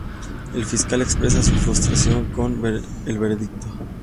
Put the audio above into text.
El fiscal expresa su frustración con el veredicto.